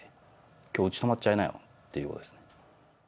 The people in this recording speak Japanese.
きょう、うち泊まっちゃいなよということですね。